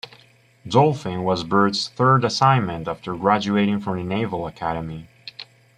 "Dolphin" was Byrd's third assignment after graduating from the Naval Academy.